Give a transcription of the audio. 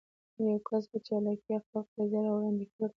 يو کس په چالاکي خپله قضيه وړاندې کړي.